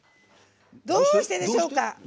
どうしてでしょうか？